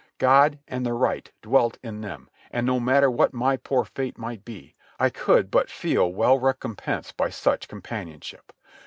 God and the right dwelt in them and no matter what my poor fate might be, I could but feel well recompensed by such companionship.